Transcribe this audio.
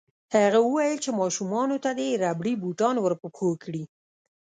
هغه وویل چې ماشومانو ته دې ربړي بوټان ورپه پښو کړي